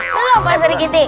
belum pak serikiti